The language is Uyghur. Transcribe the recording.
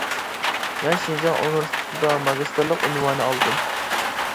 مەن شىنجاڭ ئۇنىۋېرسىتېتىدا ماگىستىرلىق ئۇنۋانى ئالدىم.